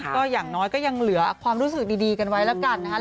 ก็อย่างน้อยก็ยังเหลือความรู้สึกดีกันไว้แล้วกันนะครับ